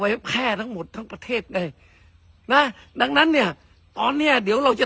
แพร่ทั้งหมดทั้งประเทศเลยนะดังนั้นเนี่ยตอนเนี้ยเดี๋ยวเราจะ